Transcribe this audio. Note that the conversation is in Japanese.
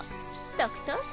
特等席。